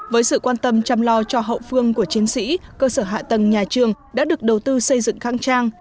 với sự quan tâm chăm lo cho hậu phương của chiến sĩ cơ sở hạ tầng nhà trường đã được đầu tư xây dựng khang trang